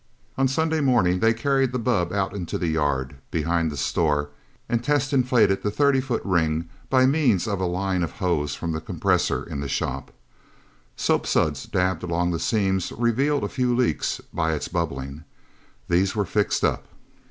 On a Sunday morning they carried the bubb out into the yard behind the store and test inflated the thirty foot ring by means of a line of hose from the compressor in the shop. Soapsuds dabbed along the seams revealed a few leaks by its bubbling. These were fixed up.